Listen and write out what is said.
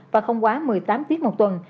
và không quá một mươi tám tiết một tuần